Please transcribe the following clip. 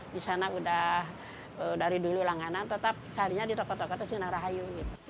di sana udah dari dulu langanan tetap carinya di toko toko itu sinarahayu